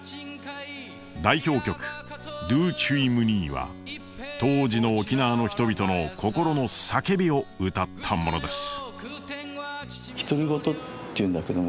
代表曲「ドゥーチュイムニイ」は当時の沖縄の人々の心の叫びを歌ったものです。